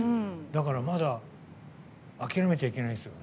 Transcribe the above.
だからまだ諦めちゃいけないですよ。